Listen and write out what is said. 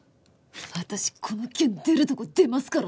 私この件出るとこ出ますからね。